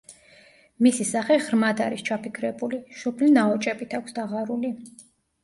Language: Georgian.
მისი სახე ღრმად არის ჩაფიქრებული, შუბლი ნაოჭებით აქვს დაღარული.